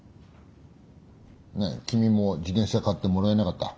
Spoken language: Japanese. ねえ君も自転車買ってもらえなかった？